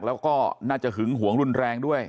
แล้วก็น่าจะหึงหวงรุนแรงด้วย